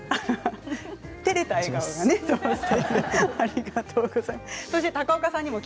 てれた笑顔がね、すてき。